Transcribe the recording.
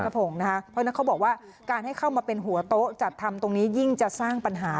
เพราะฉะนั้นเขาบอกว่าการให้เข้ามาเป็นหัวโต๊ะจัดทำตรงนี้ยิ่งจะสร้างปัญหา